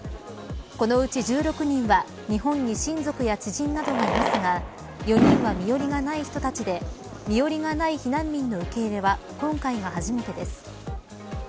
このうち１６人は、日本に親族や知人などがいますが４人は身寄りがない人たちで身寄りがない避難民の受け入れは今回が初めてです。